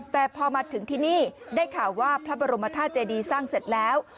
แต่พอมาถึงที่นี่ได้ข่าวว่าพระบรมธาตุเจดีสร้างเสร็จแล้ว